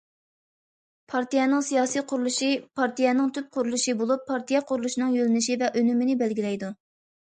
پارتىيەنىڭ سىياسىي قۇرۇلۇشى پارتىيەنىڭ تۈپ قۇرۇلۇشى بولۇپ، پارتىيە قۇرۇلۇشىنىڭ يۆنىلىشى ۋە ئۈنۈمىنى بەلگىلەيدۇ.